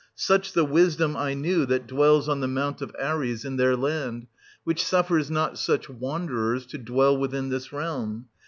Such the wisdom, I knew, that dwells on the Mount of Ares in their land; which suffers not such wanderers to dwell within this realm.